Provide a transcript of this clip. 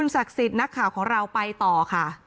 สิทธิ์นักข่าวของเราไปต่อค่ะ